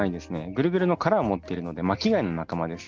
ぐるぐるの殻を持ってるので巻き貝の仲間です。